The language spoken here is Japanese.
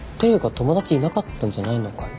友達いなかったんじゃないのかい？